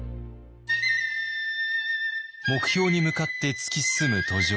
目標に向かって突き進む途上